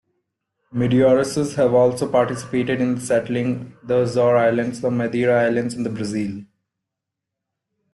Medeiros's have also participated in settling the Azores Islands, the Madeira Islands, and Brazil.